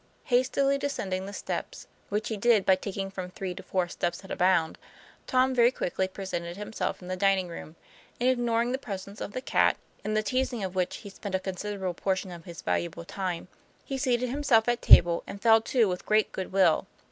Hastily descending the stairs (which he did by taking from three to four steps at a bound), Tom very quickly presented himself in the dining room, and ignoring the presence of the cat, in the teasing of which he spent a considerable portion of his valu able time, he seated himself at table, and fell to with great good will.